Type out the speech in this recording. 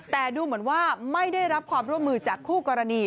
แต่ดูเหมือนว่าไม่ได้รับความร่วมมือจากคู่กรณี